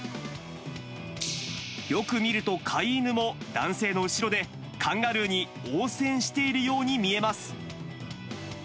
よく見ると、飼い犬も男性の後ろでカンガルーに応戦しているように見えます。